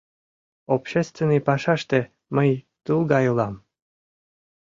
Общественный пашаште мый-тул гай улам.